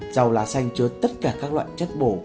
rau lá xanh chứa tất cả các loại chất bồ